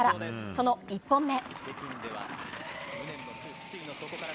その１本目。